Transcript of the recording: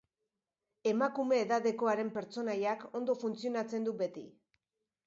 Emakume edadekoaren pertsonaiak ondo funtzionatzen du beti.